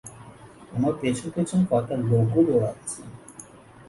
আমার পেছন পেছন কয়েকটা লোক ও দৌড়াচ্ছে।